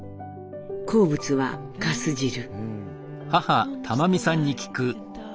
好物は「かすじる」。